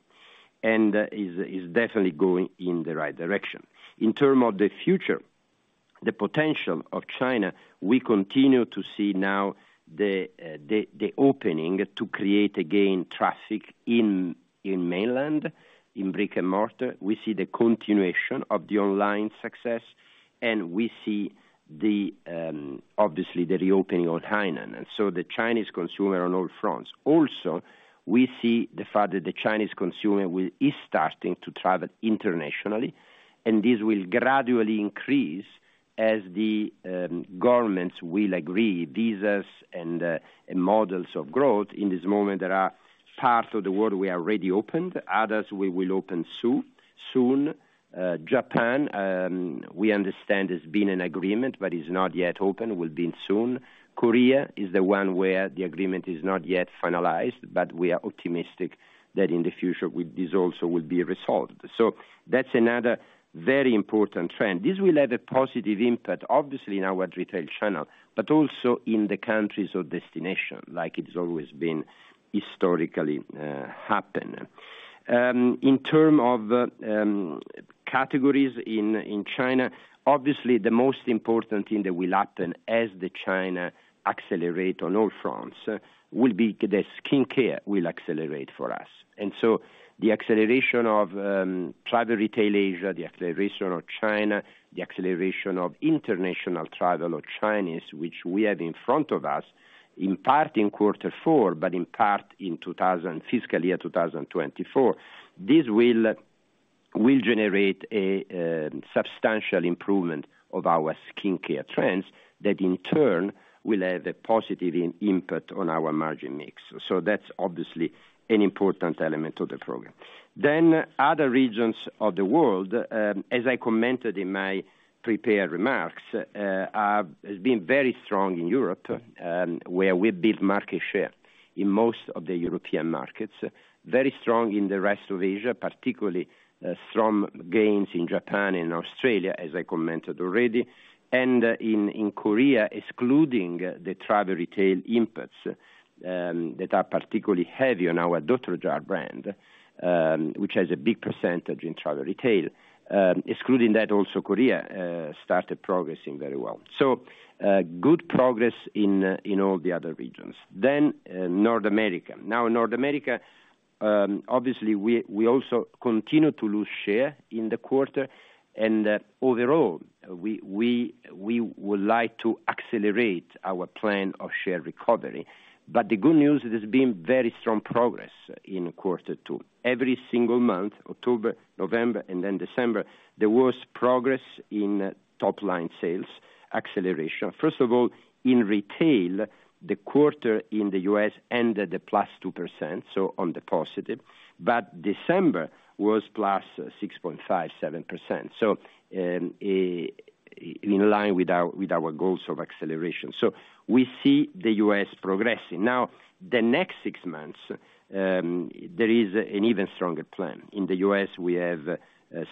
and is definitely going in the right direction. In term of the future, the potential of China, we continue to see now the opening to create again traffic in mainland, in brick and mortar. We see the continuation of the online success, and we see obviously the reopening of Hainan. The Chinese consumer on all fronts. Also, we see the fact that the Chinese consumer is starting to travel internationally, and this will gradually increase as the governments will agree visas and models of growth. In this moment, there are parts of the world we already opened, others we will open soon. Japan, we understand there's been an agreement, but it's not yet open, will be soon. Korea is the one where the agreement is not yet finalized, but we are optimistic that in the future, this also will be resolved. That's another very important trend. This will have a positive impact, obviously in our retail channel, but also in the countries of destination, like it's always been historically, happened. In term of categories in China, obviously the most important thing that will happen as the China accelerate on all fronts, will be the skincare will accelerate for us. The acceleration of travel retail Asia, the acceleration of China, the acceleration of international travel of Chinese, which we have in front of us, in part in quarter four, but in part in fiscal year 2024. This will generate a substantial improvement of our skincare trends that in turn will have a positive impact on our margin mix. That's obviously an important element of the program. Other regions of the world, as I commented in my prepared remarks, has been very strong in Europe, where we built market share in most of the European markets. Very strong in the rest of Asia, particularly strong gains in Japan and Australia, as I commented already. In Korea, excluding the travel retail inputs, that are particularly heavy on our Dr. Jart brand, which has a big percentage in travel retail. Excluding that also Korea started progressing very well. Good progress in all the other regions. North America. Now in North America, obviously, we also continue to lose share in the quarter. Overall, we would like to accelerate our plan of share recovery. The good news, there's been very strong progress in Q2. Every single month, October, November, December, there was progress in top line sales acceleration. First of all, in retail, the quarter in the U.S. ended at +2% on the positive. December was +6.57%. In line with our goals of acceleration. We see the U.S. progressing. The next six months, there is an even stronger plan. In the U.S., we have a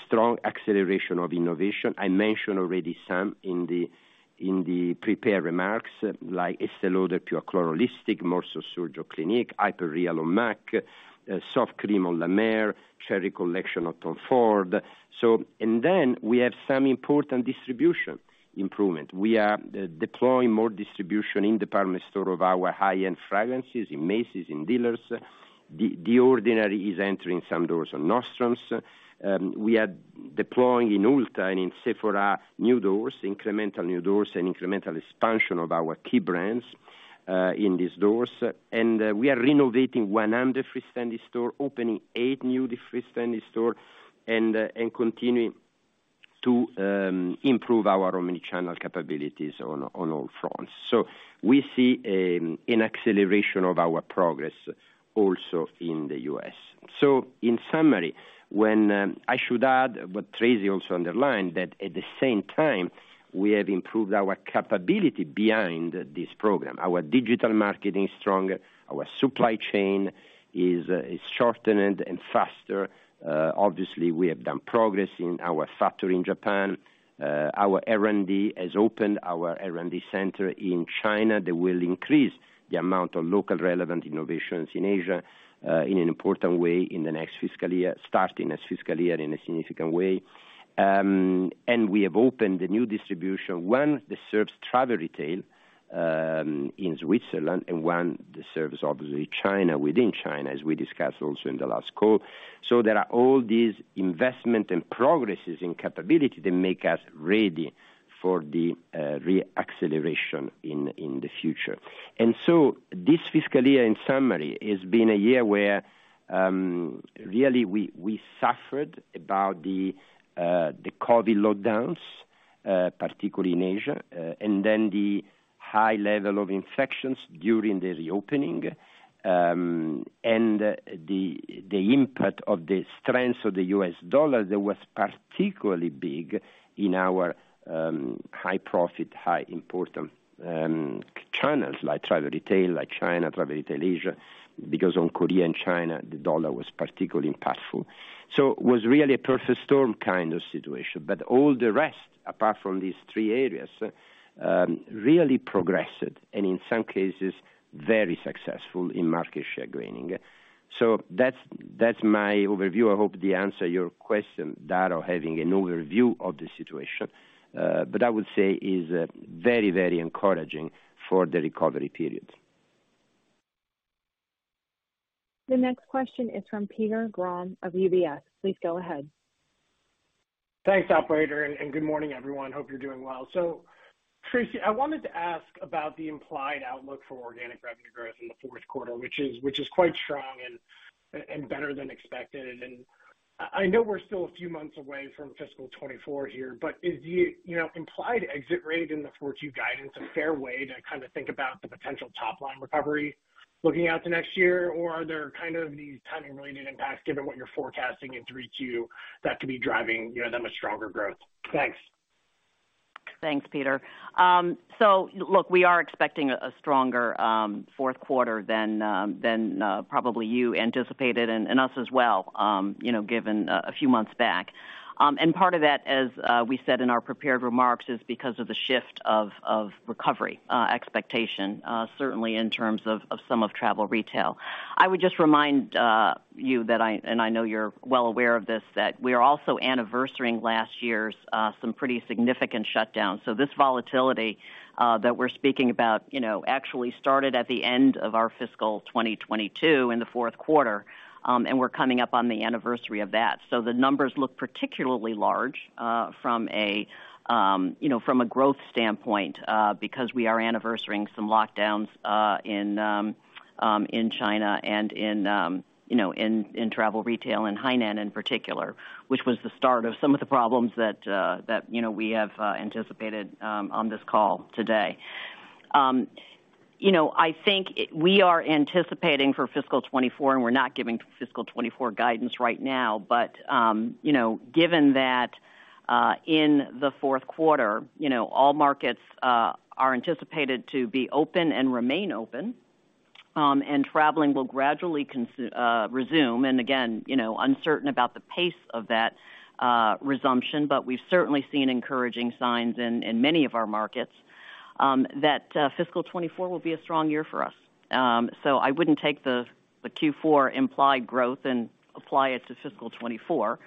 strong acceleration of innovation. I mentioned already some in the prepared remarks like Estée Lauder Pure Color Lipstick, Morphe x Sergio Clinique, Hyper Real on M·A·C, Soft Cream on La Mer, Cherry Collection of Tom Ford. We have some important distribution improvement. We are deploying more distribution in department store of our high-end fragrances in Macy's, in Dillard's. The Ordinary is entering some doors on Nordstrom. We are deploying in Ulta and in Sephora, new doors, incremental new doors and incremental expansion of our key brands in these doors. We are renovating 100 freestanding store, opening eight new freestanding store and continuing to improve our omni-channel capabilities on all fronts. We see an acceleration of our progress also in the U.S. In summary, when I should add what Tracey also underlined, that at the same time, we have improved our capability behind this program. Our digital marketing is stronger, our supply chain is shortened and faster. Obviously, we have done progress in our factory in Japan. Our R&D has opened our R&D center in China that will increase the amount of local relevant innovations in Asia, starting next fiscal year in a significant way. We have opened a new distribution, one that serves travel retail, in Switzerland, and one that serves obviously China, within China, as we discussed also in the last call. There are all these investment and progresses in capability that make us ready for the re-acceleration in the future. This fiscal year, in summary, has been a year where really we suffered about the COVID lockdowns, particularly in Asia, and then the high level of infections during the reopening. The impact of the strengths of the US dollar that was particularly big in our high profit, high important channels like travel retail, like China, Travel Retail Asia, because on Korea and China, the dollar was particularly impactful. It was really a perfect storm kind of situation. All the rest, apart from these three areas, really progressed, and in some cases very successful in market share gaining. That's my overview. I hope they answer your question, Dara, having an overview of the situation. I would say is very, very encouraging for the recovery period. The next question is from Peter Grom of UBS. Please go ahead. Thanks, operator. Good morning, everyone. Hope you're doing well. Tracey, I wanted to ask about the implied outlook for organic revenue growth in the Q4, which is quite strong and better than expected. I know we're still a few months away from fiscal 2024 here, but is the, you know, implied exit rate in the fourth year guidance a fair way to kind of think about the potential top line recovery looking out to next year? Are there kind of these timing related impacts given what you're forecasting in 3Q that could be driving, you know, that much stronger growth? Thanks. Thanks, Peter. Look, we are expecting a stronger Q4 than than probably you anticipated and us as well, you know, given a few months back. Part of that, as we said in our prepared remarks, is because of the shift of recovery expectation, certainly in terms of some of travel retail. I would just remind you that and I know you're well aware of this, that we are also anniversarying last year's some pretty significant shutdowns. This volatility that we're speaking about, you know, actually started at the end of our fiscal 2022 in the Q4, and we're coming up on the anniversary of that. The numbers look particularly large, from a, you know, from a growth standpoint, because we are anniversarying some lockdowns, in China and in, you know, in travel retail and Hainan in particular, which was the start of some of the problems that, you know, we have anticipated on this call today. You know, I think we are anticipating for fiscal 24, and we're not giving fiscal 24 guidance right now. Given that, in the Q4, you know, all markets, are anticipated to be open and remain open, and traveling will gradually resume, and again, you know, uncertain about the pace of that resumption. We've certainly seen encouraging signs in many of our markets that fiscal 2024 will be a strong year for us. I wouldn't take the Q4 implied growth and apply it to fiscal 2024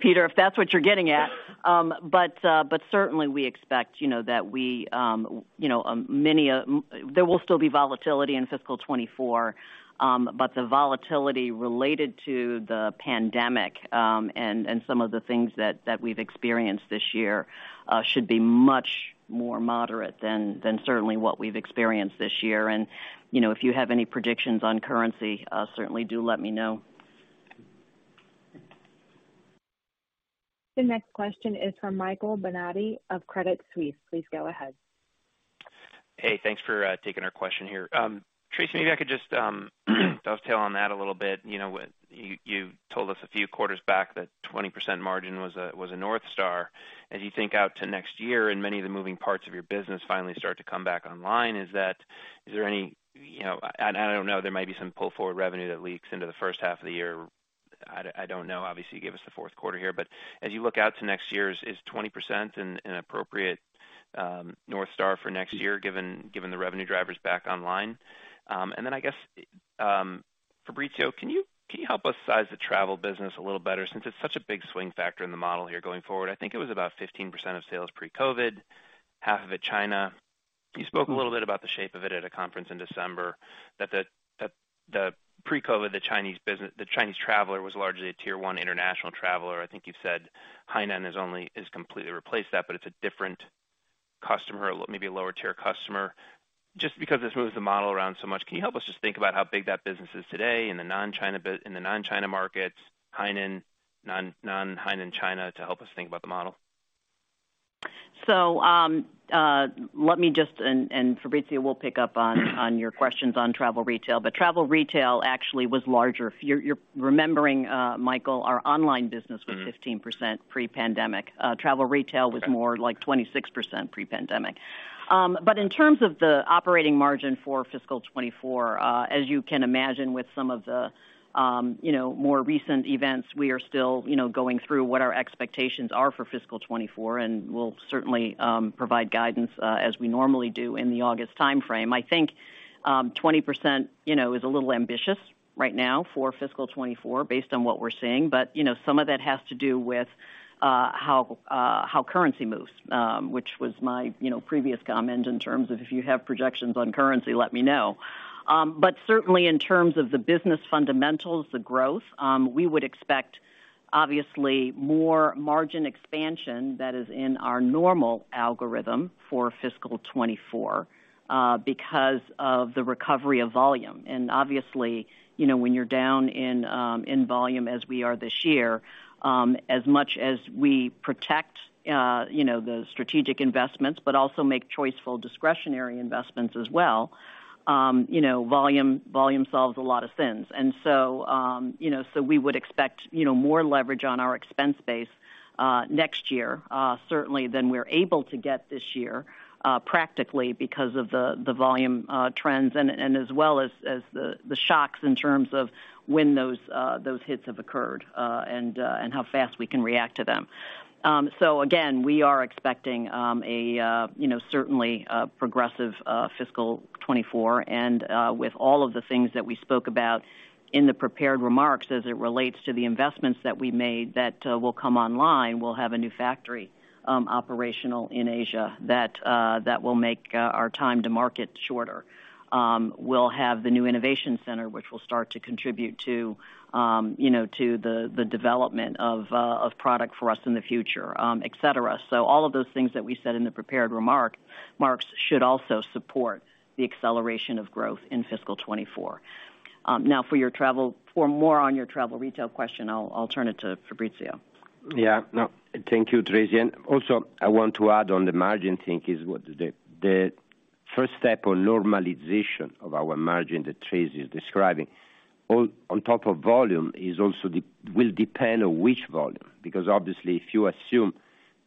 Peter, if that's what you're getting at. Certainly we expect, you know, that we, you know, there will still be volatility in fiscal 2024. The volatility related to the pandemic and some of the things that we've experienced this year should be much more moderate than certainly what we've experienced this year. You know, if you have any predictions on currency, certainly do let me know. The next question is from Michael Binetti of Credit Suisse. Please go ahead. Hey, thanks for taking our question here. Tracey, maybe I could just dovetail on that a little bit. You know, you told us a few quarters back that 20% margin was a North Star. As you think out to next year and many of the moving parts of your business finally start to come back online, is there any, you know... I don't know, there might be some pull-forward revenue that leaks into the H1 of the year. I don't know. Obviously, you gave us the Q4 here. As you look out to next year, is 20% an appropriate North Star for next year, given the revenue drivers back online? I guess, Fabrizio, can you help us size the travel business a little better since it's such a big swing factor in the model here going forward? I think it was about 15% of sales pre-COVID, half of it China. You spoke a little bit about the shape of it at a conference in December, that the pre-COVID, the Chinese business, the Chinese traveler was largely a tier 1 international traveler. I think you said Hainan is completely replaced that, but it's a different customer, maybe a lower tier customer. Just because this moves the model around so much, can you help us just think about how big that business is today in the non-China markets, Hainan, non-Hainan China, to help us think about the model? Let me just. Fabrizio will pick up on your questions on travel retail, but travel retail actually was larger. If you're remembering, Michael, our online business... Mm-hmm. was 15% pre-pandemic. travel retail- Okay. was more like 26% pre-pandemic. In terms of the operating margin for fiscal 2024, as you can imagine with some of the, you know, more recent events, we are still, you know, going through what our expectations are for fiscal 2024, and we'll certainly provide guidance as we normally do in the August timeframe. I think 20%, you know, is a little ambitious right now for fiscal 2024 based on what we're seeing. You know, some of that has to do with how currency moves, which was my, you know, previous comment in terms of if you have projections on currency, let me know. But certainly in terms of the business fundamentals, the growth, we would expect obviously more margin expansion that is in our normal algorithm for fiscal 2024 because of the recovery of volume. Obviously, you know, when you're down in volume as we are this year, as much as we protect, you know, the strategic investments, but also make choiceful discretionary investments as well, you know, volume solves a lot of sins. So, you know, so we would expect, you know, more leverage on our expense base next year, certainly than we're able to get this year, practically because of the volume trends and as well as the shocks in terms of when those hits have occurred and how fast we can react to them. Again, we are expecting a, you know, certainly a progressive fiscal 2024. With all of the things that we spoke about in the prepared remarks as it relates to the investments that we made that will come online, we'll have a new factory operational in Asia that will make our time to market shorter. We'll have the new innovation center, which will start to contribute to, you know, to the development of product for us in the future, et cetera. All of those things that we said in the prepared remarks should also support the acceleration of growth in fiscal 2024. Now for your travel retail question, I'll turn it to Fabrizio. Yeah. No. Thank you, Tracey. Also I want to add on the margin thing is what the first step on normalization of our margin that Tracey is describing on top of volume is also will depend on which volume, because obviously, if you assume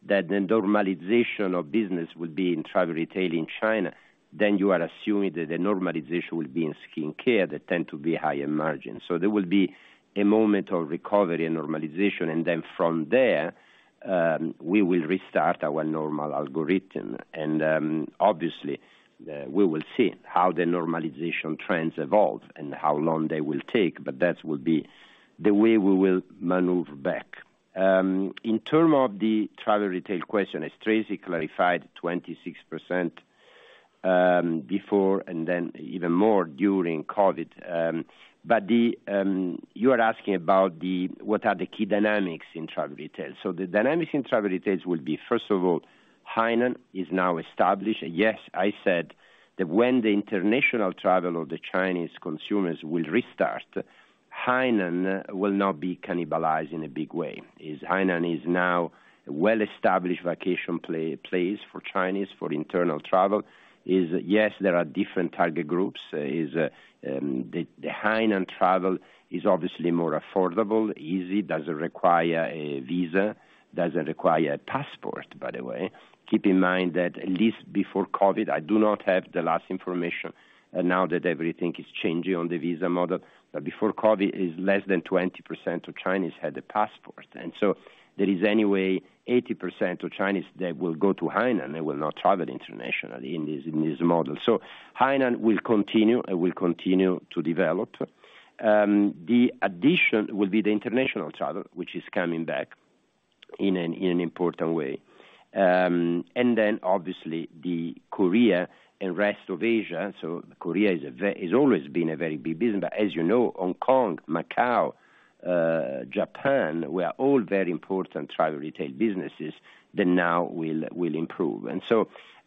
that the normalization of business will be in travel retail in China, then you are assuming that the normalization will be in skincare that tend to be higher margin. There will be a moment of recovery and normalization, and then from there, we will restart our normal algorithm. Obviously, we will see how the normalization trends evolve and how long they will take, but that will be the way we will maneuver back. In term of the travel retail question, as Tracey clarified, 26% before and then even more during COVID. You are asking about what are the key dynamics in travel retail? The dynamics in travel retail will be, first of all, Hainan is now established. Yes, I said that when the international travel of the Chinese consumers will restart, Hainan will not be cannibalized in a big way. Hainan is now a well-established vacation place for Chinese for internal travel. Yes, there are different target groups. The Hainan travel is obviously more affordable, easy, doesn't require a visa, doesn't require a passport, by the way. Keep in mind that at least before COVID, I do not have the last information now that everything is changing on the visa model. Before COVID is less than 20% of Chinese had a passport. There is anyway 80% of Chinese that will go to Hainan, they will not travel internationally in this, in this model. Hainan will continue, it will continue to develop. The addition will be the international travel, which is coming back in an important way. Obviously the Korea and rest of Asia, Korea has always been a very big business. As you know, Hong Kong, Macau, Japan, were all very important travel retail businesses that now will improve.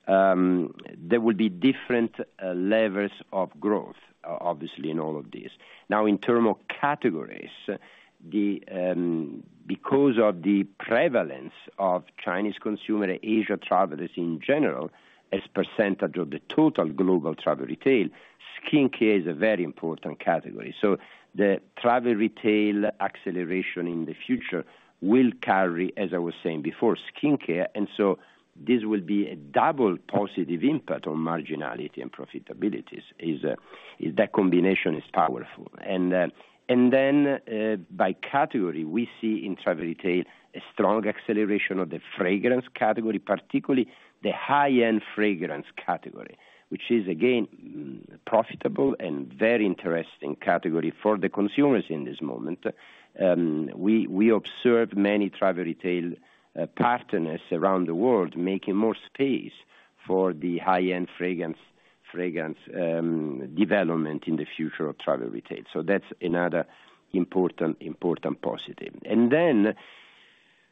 There will be different levels of growth, obviously in all of this. Now, in term of categories, the because of the prevalence of Chinese consumer and Asia travelers in general, as percentage of the total global travel retail, skincare is a very important category. The travel retail acceleration in the future will carry, as I was saying before, skincare, this will be a double positive impact on marginality and profitabilities is that combination is powerful. By category, we see in travel retail a strong acceleration of the fragrance category, particularly the high-end fragrance category, which is again, profitable and very interesting category for the consumers in this moment. We observe many travel retail partners around the world making more space for the high-end fragrance category development in the future of travel retail. That's another important positive.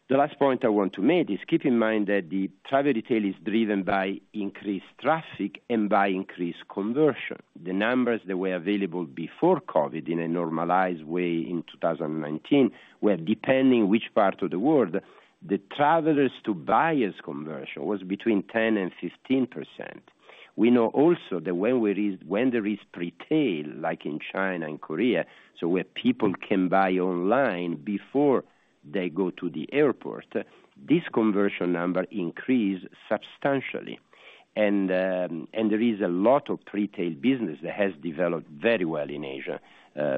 The last point I want to make is keep in mind that the travel retail is driven by increased traffic and by increased conversion. The numbers that were available before COVID-19 in a normalized way in 2019 were depending which part of the world, the travelers to buyers conversion was between 10%-15%. We know also that when there is retail, like in China and Korea, so where people can buy online before they go to the airport, this conversion number increased substantially. There is a lot of retail business that has developed very well in Asia,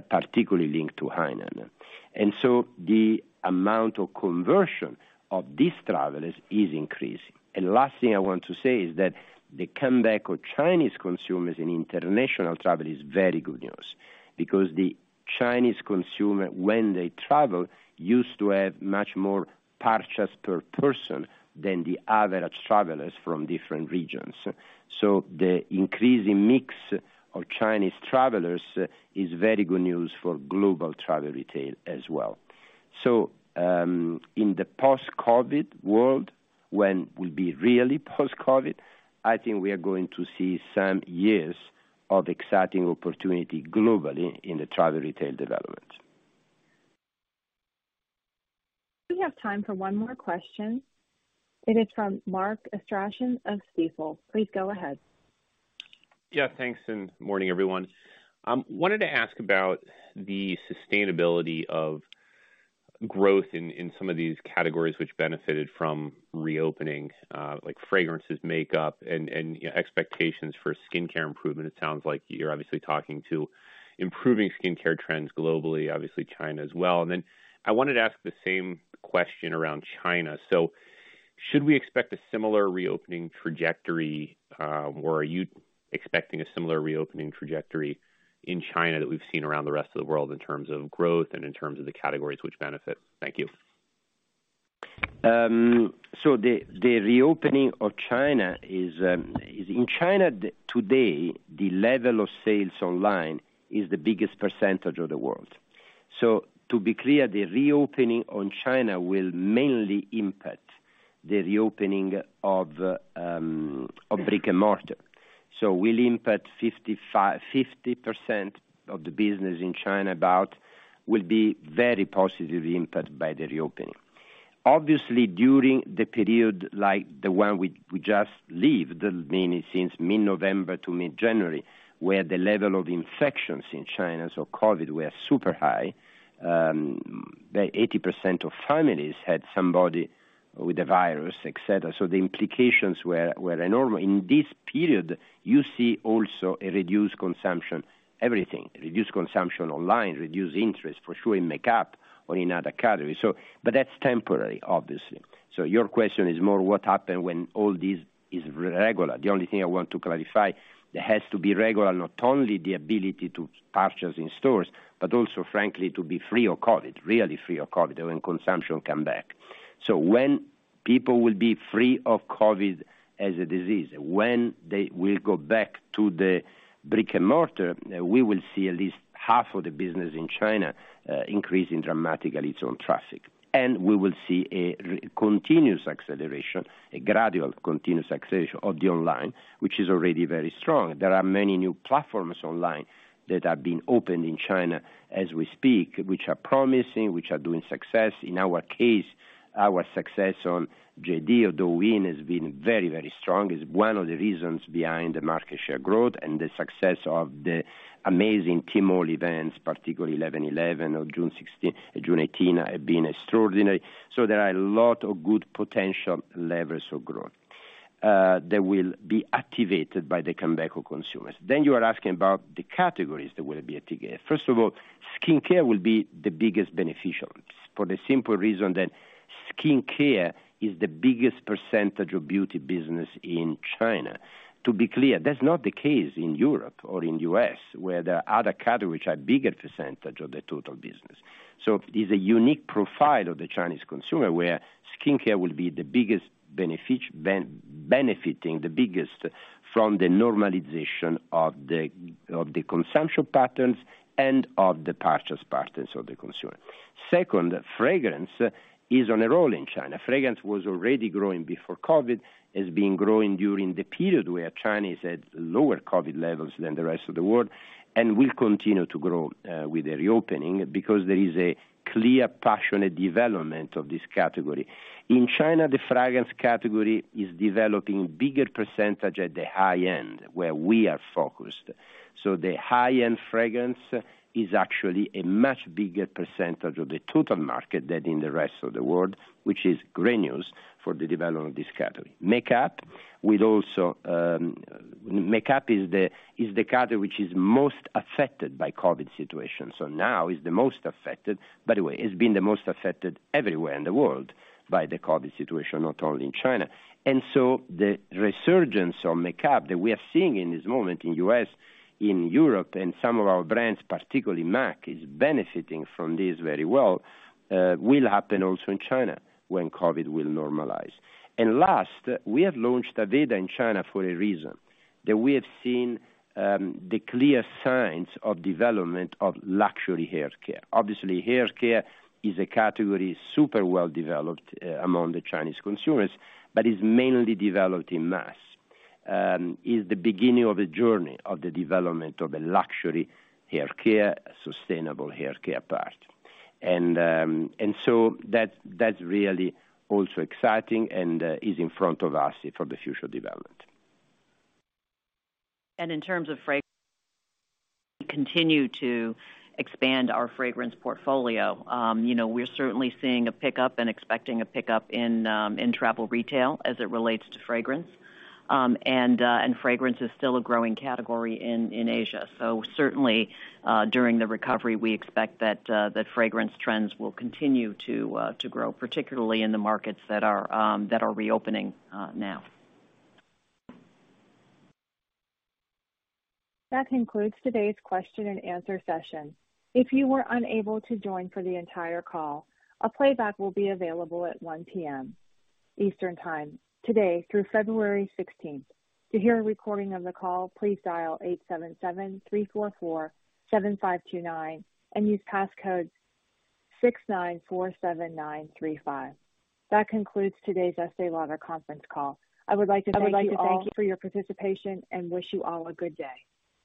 particularly linked to Hainan. The amount of conversion of these travelers is increasing. Last thing I want to say is that the comeback of Chinese consumers in international travel is very good news because the Chinese consumer, when they travel, used to have much more purchases per person than the average travelers from different regions. The increase in mix of Chinese travelers is very good news for global travel retail as well. In the post-COVID world, when we'll be really post-COVID, I think we are going to see some years of exciting opportunity globally in the travel retail development. We have time for one more question. It is from Mark Astrachan of Stifel. Please go ahead. Thanks, and morning, everyone. Wanted to ask about the sustainability of growth in some of these categories which benefited from reopening, like fragrances, makeup and expectations for skincare improvement. It sounds like you're obviously talking to improving skincare trends globally, obviously China as well. I wanted to ask the same question around China. Should we expect a similar reopening trajectory, or are you expecting a similar reopening trajectory in China that we've seen around the rest of the world in terms of growth and in terms of the categories which benefit? Thank you. The reopening of China is in China today, the level of sales online is the biggest percentage of the world. To be clear, the reopening on China will mainly impact the reopening of brick-and-mortar. Will impact 50% of the business in China about will be very positive impact by the reopening. Obviously, during the period like the one we just leave, the meaning since mid-November to mid-January, where the level of infections in China, COVID, were super high, the 80% of families had somebody with the virus, et cetera. The implications were enormous. In this period, you see also a reduced consumption, everything, reduced consumption online, reduced interest for sure in makeup or in other categories. That's temporary, obviously. Your question is more what happened when all this is regular. The only thing I want to clarify, there has to be regular, not only the ability to purchase in stores, but also frankly, to be free of COVID, really free of COVID when consumption come back. When people will be free of COVID as a disease, when they will go back to the brick-and-mortar, we will see at least half of the business in China increasing dramatically its own traffic. We will see a continuous acceleration, a gradual continuous acceleration of the online, which is already very strong. There are many new platforms online that are being opened in China as we speak, which are promising, which are doing success. In our case, our success on JD or Douyin has been very, very strong. It's one of the reasons behind the market share growth and the success of the amazing Tmall events, particularly 11.11 or June 18 have been extraordinary. There are a lot of good potential levers of growth that will be activated by the comeback of consumers. You are asking about the categories that will be activated. First of all, skincare will be the biggest beneficial, for the simple reason that skincare is the biggest percentage of beauty business in China. To be clear, that's not the case in Europe or in U.S., where there are other categories which are bigger percentage of the total business. It's a unique profile of the Chinese consumer, where skincare will be the biggest benefiting the biggest from the normalization of the, of the consumption patterns and of the purchase patterns of the consumer. Second, fragrance is on a roll in China. Fragrance was already growing before COVID, has been growing during the period where Chinese had lower COVID levels than the rest of the world, and will continue to grow with the reopening because there is a clear passionate development of this category. In China, the fragrance category is developing bigger percentage at the high end, where we are focused. The high-end fragrance is actually a much bigger percentage of the total market than in the rest of the world, which is great news for the development of this category. Makeup will also, makeup is the category which is most affected by COVID situation. Now is the most affected. By the way, it's been the most affected everywhere in the world by the COVID situation, not only in China. The resurgence of makeup that we are seeing in this moment in U.S., in Europe, and some of our brands, particularly M·A·C, is benefiting from this very well, will happen also in China when COVID will normalize. Last, we have launched Aveda in China for a reason, that we have seen the clear signs of development of luxury haircare. Obviously, haircare is a category super well developed among the Chinese consumers, but is mainly developed in mass. Is the beginning of a journey of the development of a luxury haircare, sustainable haircare part. So that's really also exciting and is in front of us for the future development. In terms of fragrance, we continue to expand our fragrance portfolio. You know, we're certainly seeing a pickup and expecting a pickup in travel retail as it relates to fragrance. Fragrance is still a growing category in Asia. Certainly, during the recovery, we expect that fragrance trends will continue to grow, particularly in the markets that are reopening now. That concludes today's question and answer session. If you were unable to join for the entire call, a playback will be available at 1:00 P.M. Eastern Time today through February 16th. To hear a recording of the call, please dial 8773447529 and use passcode 6947935. That concludes today's Estée Lauder conference call. I would like to thank you all for your participation and wish you all a good day.